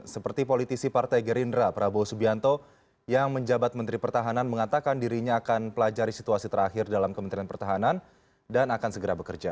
seperti politisi partai gerindra prabowo subianto yang menjabat menteri pertahanan mengatakan dirinya akan pelajari situasi terakhir dalam kementerian pertahanan dan akan segera bekerja